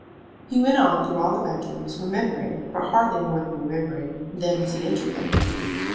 He went on through all the bedrooms, remembering, but hardly more than remembering, them as he entered them.